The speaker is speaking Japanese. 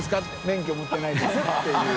免許持ってないです」っていう。